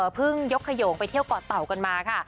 เพิ่งยกขยงไปเที่ยวก่อเต่ากันมาค่ะ